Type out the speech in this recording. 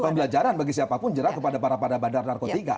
pembelajaran bagi siapapun jerah kepada para pada bandar narkotika